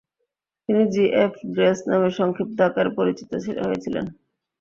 তিনি G. F. Grace নামে সংক্ষিপ্ত আকারে পরিচিত হয়েছিলেন।